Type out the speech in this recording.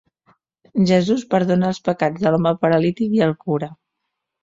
Jesús perdona els pecats de l'home paralític i el cura.